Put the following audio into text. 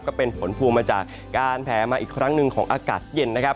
ก็เป็นผลพวงมาจากการแผลมาอีกครั้งหนึ่งของอากาศเย็นนะครับ